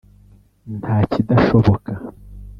nta kidashoboka